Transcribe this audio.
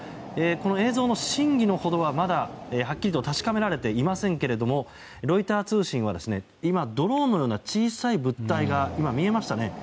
映像の真偽のほどはまだはっきりと確かめられていませんがロイター通信は今、ドローンのような小さい物体が今、見えましたね。